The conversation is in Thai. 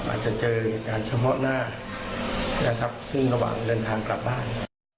อาจจะเจอเหตุการณ์เฉพาะหน้านะครับซึ่งระหว่างเดินทางกลับบ้าน